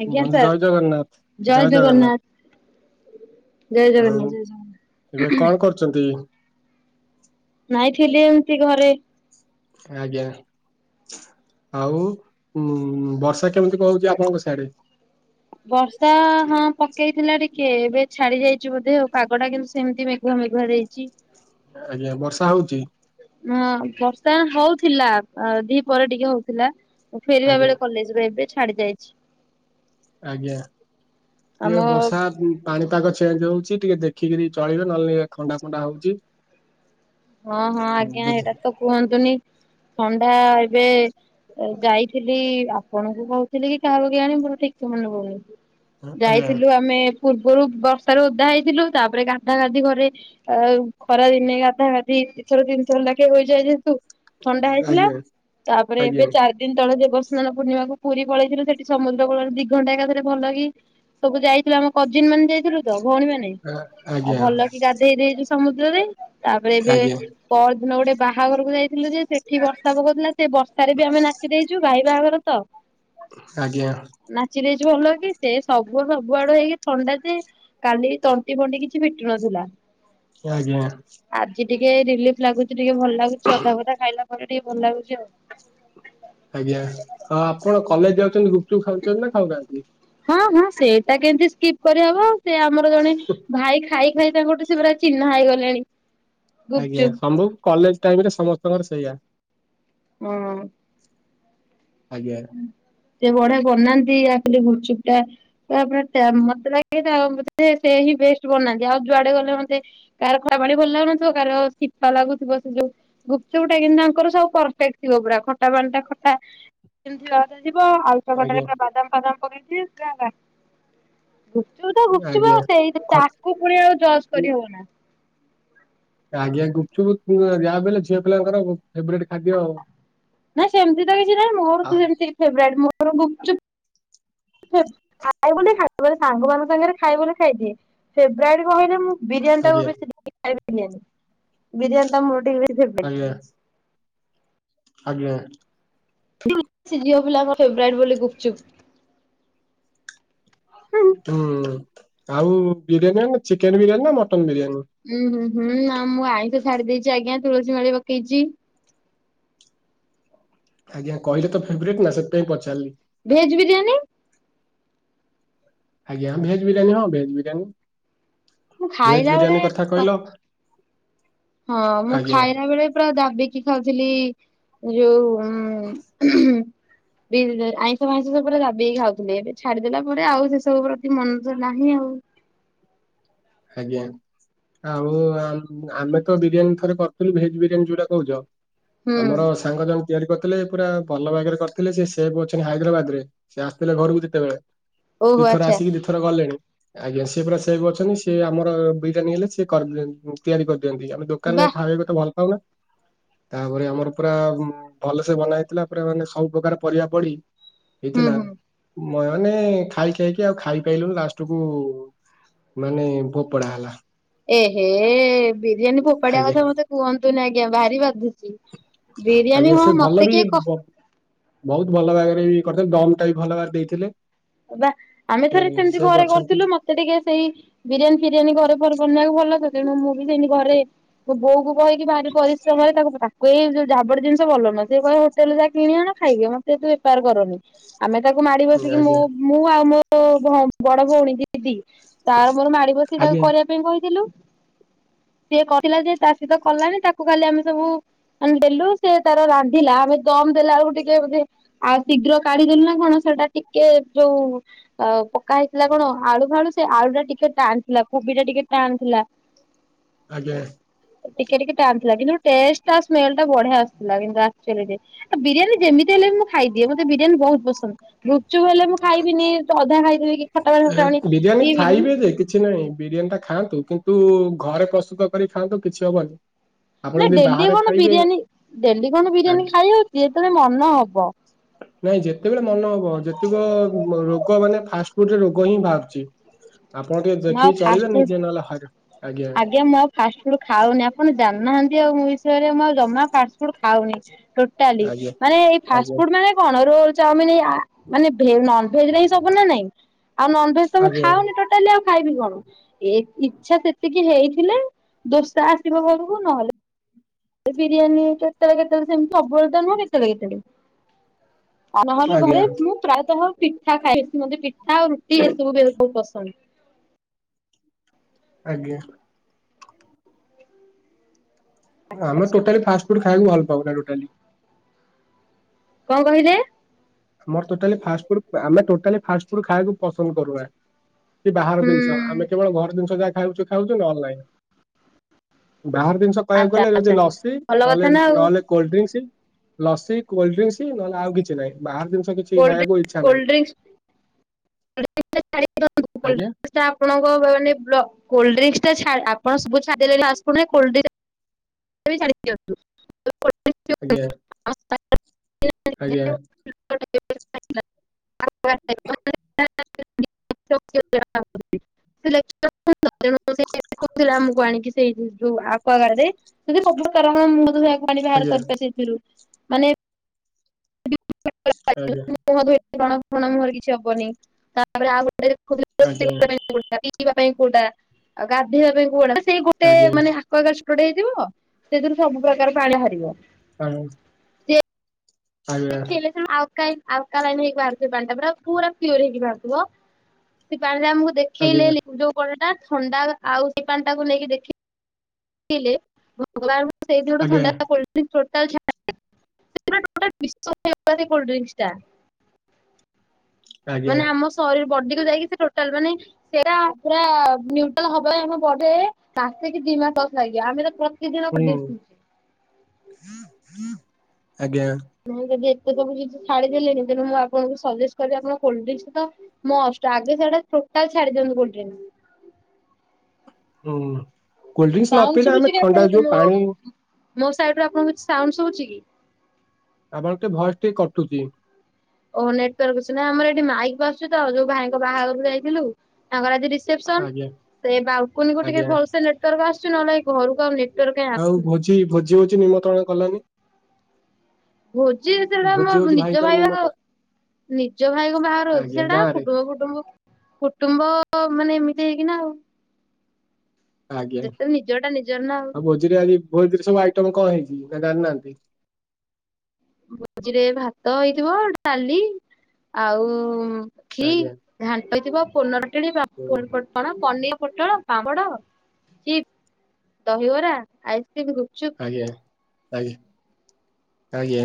ଆଜ୍ଞା ବନ୍ଧୁ, ସାର୍ ଜୟ ଜଗନ୍ନାଥ! ଜୟ ଜଗନ୍ନାଥ! ଜୟ ଆଉ, ଜଗନ୍ନାଥ ଜୟ ଜଗନ୍ନାଥ ଏବେ କଣ କରୁଚନ୍ତି? ନାଇଁ ଥିଲି ଏମିତି ଘରେ। ଆଜ୍ଞା। ଆଉ ଉମ୍ ବର୍ଷା କେମିତି କଣ ହୋଉଛି ଆପଣଙ୍କ ସିଆଡେ? ବର୍ଷା ହଁ, ପକ୍ ପକେଇଥିଲା ଟିକେ, ଏବେ ଛାଡି ଯାଇଛି ବୋଧେ! ଆଉ ପାଗଟା କିନ୍ତୁ, ସେମିତି ମେଘୁଆ ମେଘୁଆ ଦେଇଛି। ଆଜ୍ଞା, ବର୍ଷା ହଉଛି। ହଁ, ବର୍ଷା ହଉଥିଲା। ଦିହପରେ ଟିକେ ହଉଥିଲା। ମୁଁ ଫେରିବା ଆଜ୍ଞା ବେଳେ କଲେଜରୁ। ଏବେ ଛାଡି ଯାଇଛି। ଆଜ୍ଞା, ଆମ ଟିଏ ବର୍ଷାତ ଉଁ ପାଣିପାଗ ଚେଞ୍ଜ ହଉଛି। ଟିକେ, ଦେଖିକିରି ଚଳିବେ। ନହେଲେ ଥଣ୍ଡା ଫଣ୍ଡା ହଉଛି। ହଁ, ହଁ ଆଜ୍ଞା! ବୁଝ ଏଇଟା ତ କୁହନ୍ତୁନି, ଥଣ୍ଡା ଏବେ ଯାଇଥିଲି-ଲି। ଆପଣଙ୍କୁ କହୁଥିଲି କି କାହାକୁ କେଆଣି! ମୋର ଠିକ୍ ସେ ମନେ ପଡ଼ୁନି। ଆଜ୍ଞା ଯାଇଥିଲୁ ଆମେ ପୂର୍ବରୁ ବର୍ଷାରୁ ଓଦା ହେଇଥିଲୁ। ତା'ପରେ ଗାଧା ଗାଧି କରି ଅ ଖରା ଦିନେ ଗାଧା ଗାଧି ଦି-ଦି ଥର ତିିନ୍ ଥର ଲାଖେ ହୋଇଯାଏ, ଯେହେତୁ ଥଣ୍ଡା ହେଇଥିଲା। ଆଜ୍ଞା ତା'ପରେ ଏବେ ଆଜ୍ଞା। ଚାରି ଦିନ ତଳେ ଦେବସା ସ୍ନାନ ପୂର୍ଣିମାକୁ ପୁରୀ ପଳେଇଥିଲୁ। ସେଠି ସମୁଦ୍ର କୂଳରେ ଦି ଘଣ୍ଟା ଏକାଥରେ ଭଲ କିି ସବୁ ଯାଇଥିଲୁ। ଆମ କଜିିନ ମାନେ ଯାଇଥିଲୁ ତ ଭଉଣୀ ମାନେ, ଆଉ ଆଜ୍ଞା ଭଲ କି ଗାଧେଇ ଦେଇଛୁ ସମୁଦ୍ରରେ, ତା'ପରେ ଏବେ ଆଜ୍ଞା ପରଦିନ ଗୋଟେ ବାହାଘରକୁ ଯାଇଥିଲୁ ଯେ, ସେଠି ବର୍ଷା ପକଉଥିଲା ସେ ବର୍ଷାରେ ବି ଆମେ ନାଚି ଦେଇଛୁ। ଭାଇ ବାହାଘର ତ! ଆଜ୍ଞା। ଯେ ଭଲ କି! ସେ ସବୁ ସବୁ ଆଡୁ ହେଇକି ଥଣ୍ଡା ଯେ, କାଲି ତଣ୍ଟି ଫଣ୍ଟି କିଛି ଫିଟୁ ନ ଥିଲା। ଆଜ୍ଞା। ଆଜି ଟିକେ ରିଲିଫ ଲାଗୁଛି। ଟିକେ ଭଲ ଲାଗୁଛି। ଅଦା ଫଦା ଖାଇଲା ପରେ ଟିକେ ଭଲ ଲାଗୁଛି ଆଉ। ଆଜ୍ଞା। ଚ ନା ଖାଉନାହାଁନ୍ତି। ହଁ ହଁ, ସେଇଟା କେମିତି ସ୍କିପ୍ କରିହବ! ସେ ଆମର ଜଣେ ଭାଇ ଖାଇ ଖାଇ ତାଙ୍କ ଗୋଟେ ସେ ପରା ଚିହ୍ନା ହେଇଗଲେଣି। ଆଜ୍ଞା, ଗୁପଚୁପ୍। ଶମ୍ଭୁ କଲେଜ ଟାଇମ୍ ରେ ସମସ୍ତଙ୍କର ସେଇଆ। ନାଁ ନାଁ। ଆଜ୍ଞା। ସେ ବଢିଆ ବନାନ୍ତି ଆକଚୁଆଲି ଗୁପ୍ ଚୁପ ଟା ତାପରେ ଟା ମତେ ଲାଗେ ବଧେ ସେଟି ବେଷ୍ଟ ବନାହାନ୍ତି ଆଉ ଯୁଆଡେ ଗଲେ ମତେ କାହାର ଖରାପ ପାଣି ଭଲ ଲାଗୁନଥିବ କାହାର ଶିପା ଲାଗୁଥିବ ସେ ଯୋଉ ଗୁପଚୁପ୍ ଟା କିନ୍ତ ତାଙ୍କର ସବୁ ପରଫେକ୍ଟ ଥିବ ପୁରା ଖଟା ପାଣିଟା ଖଟା। ମତି ଯିବ ଆଉ ଆଜ୍ଞା। ଘଣ୍ଟୁର ବାଦାମ ଫାଦାମ କରେଇଛି। [unintelligible] ଗୁପ୍ ଚୁପ୍ ତ ଗୁପଚୁପ ଆଜ୍ଞା ଆଉ ସେଇ ଖଟ ତାକୁ ପୁଣି ଆଉ ଜଜ କରିହବ ନା। ଆଜ୍ଞା ଗୁପଛୁପ ଯାହାଲେ ଝିଅ ପିଲାଙ୍କ ଫେଭରିଟ ଖାଦ୍ୟ ଆଉ। ନାଇଁ ସେମିତି ତ କିଛି ନାଇଁ ମୋର ଆ ତ ଏମିତି ଫେବରାଇଟ ଗୁପଚୁପ ଖ ଖାଇ ମେ ସାଙ୍ଗ ମାନଙ୍କ ସାଙ୍ଗରେ ଖାଇ ବୋଲି ଖାଇଛି ଫେବୃଆରୀ କହିଲେ ଉଁ ବିରିୟାନୀ ଟାକୁ ଆଜ୍ଞା ବେଶୀ ଖ ବିରିୟାନୀ। [unintelligible] ଆଜ୍ଞା ଆଜ୍ଞା। ସେ ଝିଅ ପିଲା ଙ୍କ ଫେବରାଇଟ ବୋଲି ଗୁପଚୁପ। ହଁ ଆଉ ବିରିୟାନୀ ଚିକେନ ବିରିୟାନୀ ନା ମଟ ଉୁଁ ହୁଁ ହୁଁ ଆ ମୁଁ ଆଇଁଷ ଛାଡି ଦେଇେଇଛି ଆଜ୍ଞା ତୁଳସୀ ମାଳି ପକେଇଛି। ଆଜ୍ଞା କହିଲେ ତ ଫେବରରେଟ ନା ସେଥିପାଇଁ ପଚାରିଲି। ଭେଜ ବିରିୟାନୀ। ଆଜ୍ଞା ଭେଜ ବିରିୟାନୀ ହଁ ଭେଜ ବିରିୟାନୀ। ମୁଁ ଖାଇଲା ଭେଜ ବେଳେ ବିରିୟାନୀ କଥା କହିଲ। ହଁ ମୁଁ ଆଜ୍ଞା ଖାଇଲା ବେଳେ ପୁରା ଦାବିକି ଖାଉଥିଲି ଯୋଉ ହୁଁ। ବି ଆଇଁଷ ଫାଇଁଷ ସବୁରେ ଦାବିକି ଖାଉଥିଲେ ଏବେ ଛାଡିଦେଲା ପରେ ଆଉ ସେ ସବୁ ପ୍ରତି ମନ ନାହିଁ। ମିଆଁଉ। ଆଜ୍ଞା ଆଉ ଆମେ ତ ବିରିୟାନୀ ଥରେ କରିଥିଲୁ ଭେଜ ବିରିୟାନୀ ଯୋଉଟା କହୁଛ। ହୁଁ ଆମର ସାଙ୍ଗ ଜଣେ ତିଆରି କରିଥିଲେ ପୁରା ଭଲ ଭାଗରେ କରିଥିଲେ ସେ ସେ ବି ଅଛନ୍ତି ହାଇଦ୍ରାବାଦ ରେ ସେ ଆସିଥିଲେ ଘରକୁ ଯେତେବେଳେ। ଓହୋ ଦିଇଥର ଆଚ୍ଛା ଆସିକି ଦିଇଥର ଗଲେଣି ଆଜ୍ଞା ସିଏ ପରା ସେ ପୁରା ସେଭେ ଅଛନ୍ତି। ସେ ଆମର ବିରିୟାନୀ ହେଲେ ସ ତିଆରି କରିଦିଅନ୍ତି ଆମେ ବା ଦୋକାନରେ ଖାଇବାକୁ ତ ଭଲ ପାଉନା। ତାପରେ ଆମର ପୁରା ଭଲ ସେ ବନା ହେଇଥିଲା ପୁରା ମାନେ ସବୁ ପ୍ରକାର ପରିବା ପଡି ହୁଁ ହେଇଥିଲା। ହୁଁ। ନାଇଁ ନାଇଁ ମାନେ ଖାଇ ଖାଇକି ଆଉ ଖାଇପାଇଲୁ ଲାଷ୍ଟକୁୁ ମାନେ ଭୋପଡା ହେଲା। ଏହେ ବିରିୟାନୀ ଫୋପାଡଆ ଆଜ୍ଞା କଥା ମତେ କୁହନ୍ତୁନ ଆଜ୍ଞା ଭାରି ବାଧୁଛି। ବିରିୟାନୀ ଆଜ୍ଞା ହଁ ସେ ମତେ ଭଲ ବି କିଏ କ ବହୁତ ଭଲ ଭାଗରେ ବି ଦମ ଟା ବି ଭଲ ଭାର ଦେଇଥିଲେ। ବା ଆମେ ଏ, ଥରେ ସେମିତି ସେ ବି ଘରେ ଅଛନ୍ତି କରିୁଥିଲୁ ମତେ ଟିକେ ସେଇ ବିରିୟାନୀ ଫିରିୟାନୀ ଘରେ ବନେଇବାକୁ ଭଲ ତେଣୁ ମୁଁ ବି ସେମିତି ଘରେ ବୋଉ କୁ କହିକି ବାହାରି ପରିଶ୍ରମରେ ତାକୁ ଝାବଡଡି ଜିନିଷ ଭଲନ ସେ କହେ ହୋଟେଲରେ ଯା କିଣ ଆ ଖାଇବେ ମତେ ଏତୁ ବେପାର କରନି। ଆମେ ତାକୁ ମାଡି ବସିକି ମୁ ଆଜ୍ଞା ମୁଁ ଆଉ ମୋଉ ବଡ ଭଉଣୀ ଦିଦି। ତାର ମୋର ମାଡି ବସି ତାକୁ ଆଜ୍ଞା କରିବା ପାଇଁ କହିଥିଲୁ। ସିଏ କହିଥିଲା ଯେ ଚାଷୀ ତ କଲାଣି ତାକୁ ଖାଲି ଆମେ ସବୁ ମାନେ ଡେଲୁ ସେ ତାର ରାନ୍ଧିଲା ଆମେ ଦମ ଦେଲା ଆଳକୁ ଟିକେେ ଆଉ ଶୀଘ୍ର କାଢିଦ ଦେଲୁ ନା କଣ। ସେଟା ଟିକେ ଯୋଉ ଅ ପକା ହେଇଥିଲା କଣ ଆଳୁ ଫ ଆଳୁ ସେ ଆଳୁ ଟା ଟିକେ ଟାଣିଥିଲା କୋବି ଟା ଟିକେ ଟାଣଥିଲା। ଆଜ୍ଞା। ଟିକେ ଟିକେ ଟାଣିଥିଲା କିନ୍ତୁ ଟେଷ୍ଟ ସ୍ମେଲ ଟା ବଢିଆ ଆସିଥିଲା କିନ୍ତୁ ଆଚୁଆ ବିରିୟାନୀ ଯେମିତି ମୁଁ ଖାଇଦିଏ ମତେ ବିରିୟାନୀ ବହୁତ ପସନ୍ଦ ଗୁପଚୁପ ହେଲେ ମୁଁ ଖାଇବିନି ଅଧା ଖାଇଦବି। ବିରିୟାନୀ ଖାଇବେ ଯେ କିଛି ନାହିଁ ବିରିୟାନୀ ଟା ଖାଆନ୍ତ କିନ୍ତୁ, ଘରେ ପ୍ରସ୍ତୁତ କରି ଖାଆନ୍ତୁ କିଛି ହବନି। ଆପଣ ନାଇଁ, ଯଦି ଡେଲି ବାହାରେ କଣ ଖାଇବେ ବିରିୟାନୀ ଡେଲି କଣ ବିରିୟାନୀ ଆଗ- ଖାଇ ହାଉଛି ଯେତେବେଳେ ମନ ହବ। ନାଇଁ ଯେତେବେଳେ ମନ ହବ ଯେତେକ ରୋଗ ମାନେ ଫାଷ୍ଟ ଫାଷ୍ଟଫୁଡରେ ରୋଗ ହିଁ ବାହାରୁଛି ଆପଣ ଟିକେ ମୁଁ ଆଉ ଦେଖିକି ଚଳିବେ ଫାଷ୍ଟଫୁଡ୍ ନିଜେ ନହେଲେ ହରି ଆଜ୍ଞା, ମୁଁ ଆଉ ଫାଷ୍ଟ ଫୁଡ୍ ଖାଉନି ଆପଣ ଜାଣିନାହାନ୍ତି ଆଉ ମୋବିଷୟରେ ମୁଁ ଜମା ଫାଷ୍ଟ ଫୁଡ୍ ଖାଉନି ଇଟାଲୀ ଆଜ୍ଞା ମାନେ ଏଇ ଫାଷ୍ଟ ଆଜ୍ଞା ଫୁଡ୍ ମାନେ କଣ ରୋଲ ଚାଉମିନି ମାନେ ଭେ ନନ୍ଭେଜ୍ ରେ ହିଁ ସବୁ ନା ନାଇଁ ଆଉ ନନ୍ଭେଜ ତ ମୁଁ ଆଜ୍ଞା ଖାଉନି ଟୋଟାଲି ଆଉ ଖାଇବି କଣ ଏ ଇଛା ତ ସେ କିଏ ହେଇଥିଲେ ଦୋସା ଆସିବ ଘରକୁ ନହେଲେ ବିରିୟାନୀ କେତେଳେ କେତେଳେ ସେମତି ସବୁବେଳେ ତ ନୁହଁ କେତେଳେ କେତେଳେ ଆଉ ନହଲେ ଘରେ ଆଜ୍ଞା ମୁଁ ପ୍ରାୟତଃ ପିଠା ଖାଇ ମତେ ପିଠା ଆଉ ରୁଟି ଏସବୁ [unintelligible] ବହୁତ ପସନ୍ଦ। ଆଜ୍ଞା। ଆଚ୍ଛା ଆମେ ଆଚ୍ଛା ଟୋଟାଲି ଫାଷ୍ଟ ଫୁଡ୍ ଖାଇବାକୁ ଭଲ ପାଉନା ଟୋଟାଲି। କଣ କହିଲେ? ଆମର ଟୋଟାଲି ଫାଷ୍ଟ ଫୁଡ୍ ଆମେ ଟୋଟାଲି ଫାଷ୍ଟ ଫୁଡ୍ ଖାଇବାକୁ ପସନ୍ଦ କରୁନା। କି ବାହାର ଜିନିଷ ହୁଁ। ଆମେ କେବଳ ଘର ଜିନିଷ ଯାହା ଖାଉଛୁ ଖାଉଛୁ ନହେଲେ ନାହିଁ। ବାହାର ଜିନିଷ କହିବାକୁ ଆଚ୍ଛା ଗଲେ ଯଦି ଆଚ୍ଛା ଲସି ଭଲ କଥା ନହେଲେ ନା ଆଉ ନହେଲେ କୋଲଡ୍ ଡ୍ରିଙ୍କସି। ଲସି କୋଲଡ୍ ଡ୍ରିଙ୍କସ୍‌ ନହେଲେ ଆଉ କିଛି ନାହିଁ ବାହାର ଜି ଷ କିଛି ଖାଇଆକୁ କୋଲଡ୍ରିଙ୍କସ୍ ଇଚ୍ଛା ନାହିଁ। କୋଲଡ୍ରିଙ୍କସ୍ [unintelligible] ଆଜ୍ଞା ଆପଣଙ୍କ ମାନେ ବ୍ଲ କୋଲଡ୍ ଡ୍ରିଙ୍କସ୍‌ ଟା ଛା ଆପଣ ସବୁ ଛାଦେଲେ ଫାଷ୍ଟ ଫୁଡ୍ ରେ କୋଲଡ୍ ଡ୍ରିଙ୍କସ୍‌ [unintelligible] ଆଜ୍ଞା ଆଜ୍ଞା। [unintelligible] [unintelligible] [unintelligible] ଆମକୁ ଆଣିକି ସେଇଠି ଯୋଉ ଆକ୍ୱଆଗାଡ୍ ରେ ସବୁ କାରଣ ମୁଁ ଧୋଇଆକୁ ପାଣି ବାହାର କରି ସେଇଥିରୁ ମାନେ [unintelligible] ଆଜ୍ଞା ମୁହଁ ଧୋଇ ବ୍ରଣ ଫଣ ମୁହଁରେ କିଛି ହବନି ତାପରେ ଆଉ [unintelligible] ଆଜ୍ଞା କୋଉଟା ପିଇବା ପାଇଁ କୋଉଟା ଆଉ ଗାଧୋଇବା ପାଇଁ କୁଅଟା ସେଇ ଗୋଟେ ଆଜ୍ଞା ମାନେ ଆକ୍ୱଆଗାଡଷ୍ଟ୍ରୋ ଟେ ହେଇଥିବ ସେଥିରୁ ସବୁ ପ୍ରକାର ପାଣି ବାହାରିବ ଆଜ୍ଞା ସେ ଆଜ୍ଞା ଖେଲେଛ ଆଉ କାଇ ଆଲକା ଲାଇନ୍ ହେଇକି ବାହାରୁଥିବ ପାଣି ଟା ପୁରା ପୁରା ପିଓର ହେଇକି ବାହାରୁଥିବ ସେ ପାଣି ସେ ଆମକୁ ଆଜ୍ଞା ଦେଖେଇଲେ ଆଜ୍ଞା ଯୋଉ କଡଟା ଥଣ୍ଡା ଆଉ ସେ ପାଣି ଟାକୁ ନେଇକି ଦେଖି ଲେ ଗଲା ଆଳକୁ ସେଇ ଯୋଉ ଆଜ୍ଞା ଥଣ୍ଡା cold drinks total [unintelligible] total [unintelligible] cold drinks ଟା ଆଜ୍ଞା ମାନେ ଆମ ଶରୀ ବଡିକୁ ଯାଇକି ସେ ଟୋଟାଲ ମାନେ ସେଇଟା ପୁରା ନ୍ୟୁଟ୍ରାଲ ହବର ଆମ ବଡିରେ ସାସିକି ଦି ମାସ ଲାଗିବ ଆମେ ତ ପ୍ରତି ଦିନ ହୁଁ ଦେଖୁଛେ ଆଜ୍ଞା ହଁ, ଯଦି ସବୁ କିଛି ଛାଡିଦେଲେଣିି ତେଣୁ ମୁଁ ଆପଣଙ୍କୁ ସଜେଷ୍ଟ କରିବି ଆପଣ କୋଲଡ୍ ଡ୍ରିଙ୍କସ୍‌ ତ ମଷ୍ଟ ଆଗେ ସେଟା ତାହାଲେ ଛାଡିଦିଅନ୍ତୁ କୋଲଡ୍ ଡ୍ରିଙ୍କସ୍‌। ହୁଁ, କୋଲଡ୍ ଡ୍ରିଙ୍କସ୍‌ ନପିଇଲେ ଶୁଭୁଛି ଆମେ କି ଥଣ୍ଡା ଆପଣଙ୍କୁ ଯୋଉ ମୋ ପାଣି ମୋ ସାଇଡରୁ ଆପଣଙ୍କୁ କିଛି ସାଉଣ୍ଡ ଶୁଭୁଛି କି? ଆପଣଙ୍କ ଟି ଭଏସ ଟି କଟୁଛି। ଓ ନେଟୱର୍କ ଇସୁ ନା ଆମର ଏଠି ମାଇକ ବାଜୁଛି ତ ଯୋଉ ଭାଇଙ୍କ ବାହାଘରକୁ ଯାଇଥିଲୁ ତାଙ୍କର ଆ ରିସେପ୍ସନ୍ ଆଜ୍ଞା ସେ ବାଲକୁନୀକୁ ଟିକେ ଆଜ୍ଞା ଭଲସେ ନେଟୱାର୍କ୍ ଆସଚି ନହେଲେ ଏଇ ଘରକୁ ଆଉ ନେ ଆଉ ଭୋଜି ଭୋଜି ହୋଉଚି ନିମନ୍ତ୍ରଣ କଲନି? ଭୋଜି ଯେତେବେଳେ ମୋ ଭୋଜି ହଉଛି ନିଜ ଭାଇଙ୍କର ଭାଇ ବାହାହ ନିମନ୍ତ୍ରଣ ନିଜ ଭାଇ କଣ ବାହାଘର ହୋଉଚି ଆଜ୍ଞା ସେଇଟା ଗାଁ ରେ କୁଟୁମ୍ବ କୁଟୁମ୍ବ କୁଟୁମ୍ବ ମ୍ବ ମାନେ ଏମିତି ହେଇକିନା ଆଉ। ଆଜ୍ଞା ଯେତେବେଳେ ନିଜଟା ନିଜର ନା ଆଉ ଆଉ ଭୋଜିରେ ଆଜି ଭୋଜିରେ ସବୁ ଆଇଟମ କଣ ହେଇଚି? ମିଠାଟା ଆଣିନାହାନ୍ତି? ଭୋଜିରେ ଭାତ ହେଇଥିବ ଡାଲି ଆଉ ଖି ଆଜ୍ଞା ଘାଣ୍ଟିଥିବ ହୁଁ [unintelligible] ଫୁଟଣ ପନିର ପୋଟଳ ପାମ୍ପଡ଼ ଚିପ୍ ଦହିବରା ଆଇସ୍ ଆଜ୍ଞା ଆଇ-ଆଜ୍ଞା।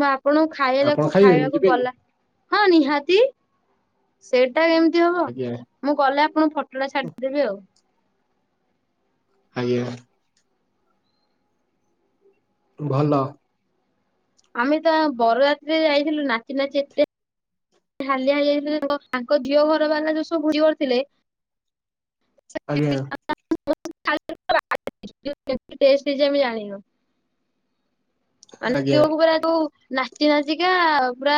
ମୁଁ ଆପଣଙ୍କୁ ଖାଇଲାବାକୁ ଖାଇବାକୁ ଯିବେନି ଗଲା ହଁ ନିହାତି ସେ ପାଇଁ ଏମତି ହବ ଆଜ୍ଞା ମୁଁ ଗଲେ ଆପଣଙ୍କୁ ଫୋଟୋଟା ଛାଡିଦେବି ଆଉ। ଆଜ୍ଞା। ଭଲ। ଆମେ ତା ବର ଯାତ୍ରି ଯାଇଥିଲୁ ନାଚିନାଚି ଏତେ ହାଲିଆ ହେଇଯାଇଥିଲୁ ଯେ ତାଙ୍କ ଆଙ୍କ ଝିଅ ଘରବାଲା ଯୋଉ ସବୁ କିଓର ଥିଲେ ଆଜ୍ଞା। [inaudible] ଟେଷ୍ଟ କିଛି ଆମେ ଜାଣିନୁ। ମାନେ ଏତିକି ଆଜ୍ଞା ବେଳକୁ ପୁରା ତୁ ନାଚି ନାଚିକା ପୁରା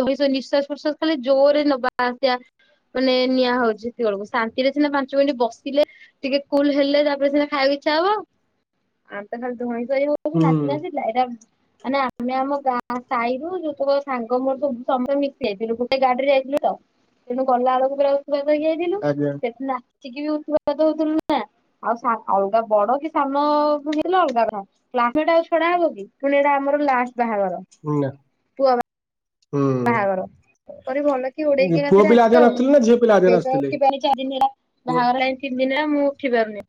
ଧଇଁସଇଁ ନିଶ୍ଵାସ୍ ପ୍ରସ୍ୱାସ୍ ଖାଲି ଜୋରେ ନବା ଆସିବା ମାନେ ନିଆଁ ହୋଉଚି ଏତିକିବେଳକୁ ଶାନ୍ତିରେ ସିନା ପାଞ୍ଚ ମିନିଟ ବସିଲେ ଟିକେ କୁଲ୍ ହେଲେ ତାପରେ ସିନା ଖାଇବାକୁ ଇଛା ଟା ହବ ଆମ ତ ଖାଲି ଧଇଁସଇଁ ହେଇଯାଉଚି ହୁଁ ନାଚିନାଚି ଲାଇରା ମାନେ ଆମେ ଆମ ଗାଁ ସାହିରୁ ଯେତକ ସାଙ୍ଗ ମୋର ସବୁ ସମସ୍ତେ ମିଶି ଯାଇଥିଲୁ ଗୋଟେ ଗାଡିରେ ଥିଲେତ ତେଣୁ ଗଲାବେଳକୁ ଦୋଳଯାତ୍ରା କହିକି ଯାଇଥିଲୁ ଆଜ୍ଞା ସେଠି ନା ତିକି ବି ଉତୁପାତ ହୋଉଥୁଲୁ ନା ଆଉ ସା-ଅଲଗା ବଡ କି ସାନ ହେଇଥିଲେ ଅଲଗା କଥା କ୍ଲାସମେଟ୍ ଆଉ ଛଡା ହବକି? ପୁଣି ଏଟା ଆମର ଲାଷ୍ଟ୍ ବାହାଘର ନା ପୁଅ ବା ହୁଁ। ପରେ ଭଲକି ଉଡେଇକିନା ପୁଅ ଫେରେ ପିଲା ଆଜି ଆସଲୁ ଆଉ। ନାଚୁଥିଲେ ନା ଝିଅ ପିଲା ଆଜି ସେ ତ ନାଚୁଥିଲେ? ଉଠିପାରୁନି ଚାରିଦିନ ହେଲା ପୁଅ ବାହାଘର ରହିଲାଣି ତିନି ଦିନ ଆଉ। ମୁଁ ଉଠିପାରୁନି।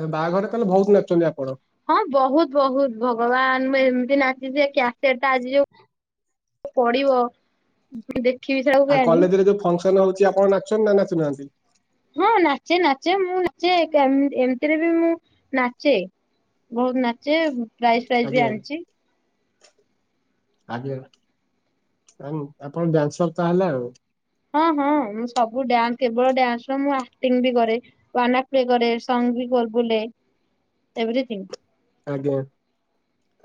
ଏ ବାହାଘରେ ତାହେଲେ ବୋହୁତ ନାଚୁଚନ୍ତି ଆପଣ? ବୋହୁତ ବୋହୁତ ଭଗବାନ ମୁଁ ଏମତି ନାଚିଚି ଯେ କ୍ୟାସେଟଟା ଆଜି ଯୋଉ ପଡିବ ଦି ଆଉ କଲେଜରେ ଯୋଉ ଫଙ୍କସନ୍ ହୋଉଚି ଆପଣ ନାଚୁଚନ୍ତି ନା ନାଚୁନାହାନ୍ତି? ହଁ ନାଚେ ନାଚେ ମୁଁ ନାଚେ ଏକା-ଏମିତିରେ ବି ମୁଁ ନାଚେ। ବୋହୁତ ନାଚେ ପ୍ରାଇଜ୍ ଫ୍ରାଇଜ୍ ବି ଆଜ୍ଞା ଆଣଚି। ଆଜ୍ଞା ଆପଣ ତାହାନ୍ ଆପଣ ଡ୍ୟାନସର୍ ତାହେଲେ ଆଉ। ହଁ ହଁ ମୁଁ ସବୁ ଡ୍ୟାନସ୍ କେବଳ ଡ୍ୟାନସ୍ ନୁହଁ ମୁଁ ଆକ୍ଟିଙ୍ଗ୍ ବି କରେ ୱାନପ୍ ବି କରେ ସଙ୍ଗ୍ ବି ବଲ୍ ବୋଲେ ଏଭରିଥିଙ୍ଗ୍। ଆଜ୍ଞା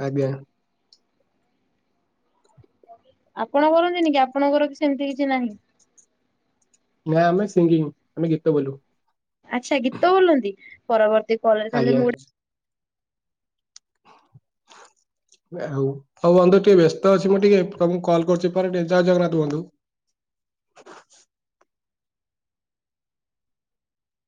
ଆଜ୍ଞା। ଆପଣ କରନ୍ତିନି କି ଆପଣଙ୍କର କି ସେମତି କିଛି ନାହିଁ? ନା ଆମେ ସିଙ୍ଗିଙ୍ଗ୍ ଆମେ ଗୀତ ବୋଲୁ। ଆଚ୍ଛା ଗୀତ ବୋଲନ୍ତି ପରବର୍ତ୍ତୀ କଲେଜ ହେଲେ ଆଜ୍ଞା ମୁଁ ଗୋଟେ ଆଉ ହୋଉ ବନ୍ଧୁ ଟିକେ ବ୍ୟସ୍ତ ଅଛି ମୁଁ ଟିକେ ତମକୁ କଲ୍ କରୁଚି ପରେ ଟିକେ ଜୟ ଜଗନ୍ନାଥ ବନ୍ଧୁ।